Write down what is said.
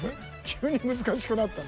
急に難しくなった。